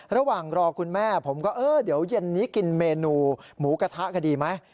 ระหว่างรอคุณแม่ผมก็เออเดี๋ยวเย็นนี้กินเมนูหมูกระทะกันดีไหม